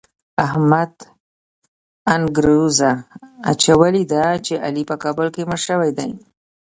احمد انګروزه اچولې ده چې علي په کابل کې مړ شوی دی.